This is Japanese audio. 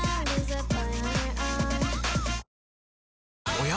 おや？